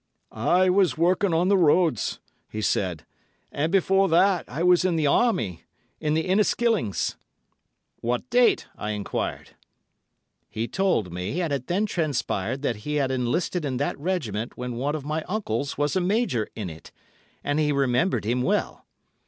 "I was working on the roads," he said, "and before that I was in the Army—in the Inniskillings." "What date?" I enquired. He told me, and it then transpired that he had enlisted in that regiment when one of my uncles was a major in it, and he remembered him well.